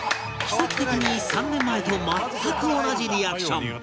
奇跡的に３年前と全く同じリアクション